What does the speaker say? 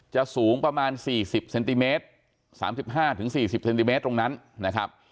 สูงประมาณ๔๐เซนติเมตร๓๕๔๐เซนติเมตรตรงนั้นนะครับ